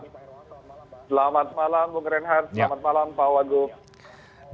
selamat malam bung renhard selamat malam pak waduh